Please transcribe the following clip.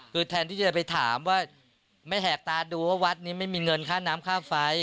คือแทนที่จะไปถามว่าไม่แหกตาดูว่าวัดนี้ไม่มีเงินค่าน้ำค่าไฟ